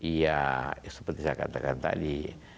ya seperti saya katakan tadi